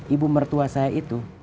ibu mertua saya itu